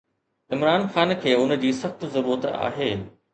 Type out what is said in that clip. عمران خان کي ان جي سخت ضرورت آهي.